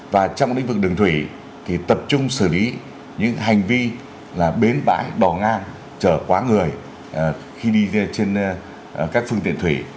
và trong lĩnh vực đường thủy thì tập trung xử lý những hành vi là bến vãi đò ngang trở quá người khi đi trên các phương tiện thủy